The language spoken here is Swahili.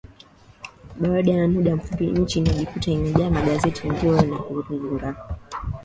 baada ya muda mfupi nchi ilijikuta imejaa magazeti redio na runinga